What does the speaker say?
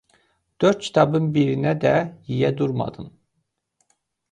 Dörd kitabın birinə də yiyə durmadın.